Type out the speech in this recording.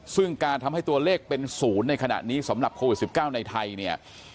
ซึ่งการทำให้ตัวเลขเป็น๐ในขณะนี้สำหรับโควิด๑๙ในไทยเนี่ย